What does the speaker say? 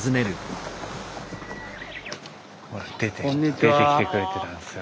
出てきてくれてたんですよ。